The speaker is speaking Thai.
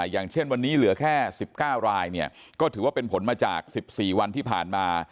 อย่างเช่นวันนี้เหลือแค่๑๙รายก็ถือว่าเป็นผลมาจาก๑๔วันที่ผ่านมา